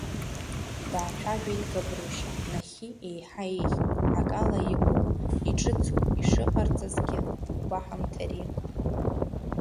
Даацәажәеит Габрушьа, нахьхьи еиҳа еиӷьуп, акала иҟоуп, иҿыцуп, ишыҟарҵазгьы гәаҳамҭари.